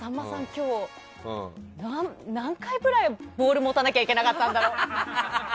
今日何回くらいボール持たなきゃいけなかったんだろう。